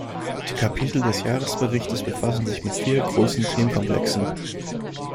Die Kapitel des Jahresberichtes befassen sich mit vier großen Themenkomplexen.